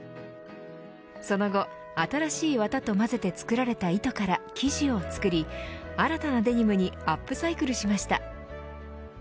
その後、新しい綿と混ぜて作られた生地を作り新たなデニムにアップサイクルしました。